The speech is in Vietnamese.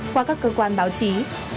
qua các cơ quan báo chí